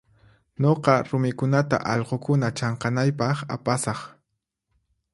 Nuqa rumikunata allqukuna chanqanaypaq apasaq.